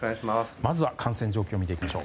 まずは感染状況を見ていきましょう。